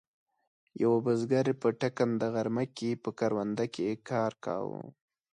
یوه بزګر په ټکنده غرمه کې په کرونده کې کار کاوه.